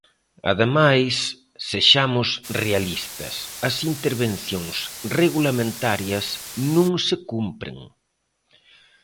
Ademais, sexamos realistas, as intervencións regulamentarias non se cumpren.